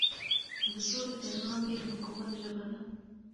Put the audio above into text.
د سولې پيغام يې د حکومت ژبه وه.